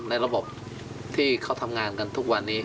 ในระบบที่เขาทำงานกันทุกวันนี้